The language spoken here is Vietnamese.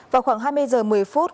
vào khoảng hai mươi h một mươi phút